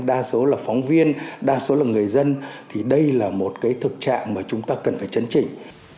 đa số là phóng viên đa số là người dân thì đây là một cái thực trạng mà chúng ta cần phải chấn chỉnh